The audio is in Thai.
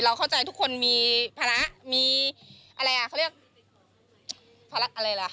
เข้าใจทุกคนมีภาระมีอะไรอ่ะเขาเรียกภาระอะไรล่ะ